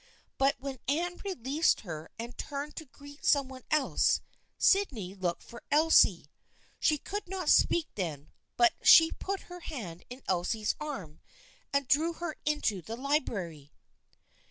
But when Anne released her and turned to greet some one else, Sydney looked for Elsie. She could not speak then, but she put her hand in Elsie's arm and drew her into the library.